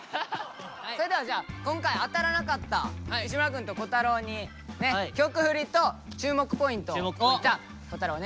それではじゃあ今回当たらなかった西村くんと彪太郎に曲振りと注目ポイントを。